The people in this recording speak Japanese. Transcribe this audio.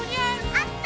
あった！